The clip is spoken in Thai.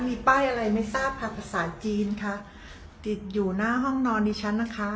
มีป้ายอะไรไม่ทราบค่ะภาษาจีนค่ะติดอยู่หน้าห้องนอนดิฉันนะคะ